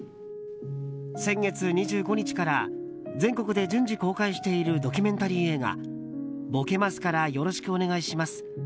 先月２５日から全国で順次公開しているドキュメンタリー映画「ぼけますから、よろしくお願いします。